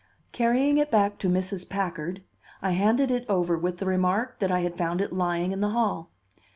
Carrying it back to Mrs. Packard, I handed it over with the remark that I had found it lying in the hall.